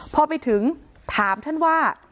พอไปถึงถามท่านว่า